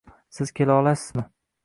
Siz kelaolasizmi?